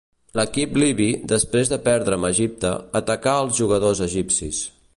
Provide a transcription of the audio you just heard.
L'equip libi, després de perdre amb Egipte, atacà als jugadors egipcis.